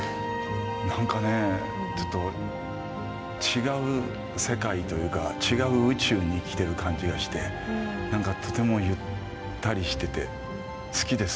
何かねちょっと違う世界というか違う宇宙に来てる感じがして何かとてもゆったりしてて好きです。